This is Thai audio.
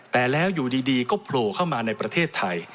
แต่แล้วอยู่ดีก็โผล่เข้ามาในประเทศไทย